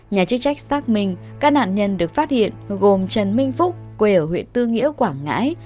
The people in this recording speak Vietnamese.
nhà chức trách xác minh các nạn nhân được phát hiện gồm trần minh phúc quê ở huyện tư nghĩa quảng ngãi